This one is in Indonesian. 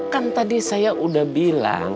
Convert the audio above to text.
kan tadi saya udah bilang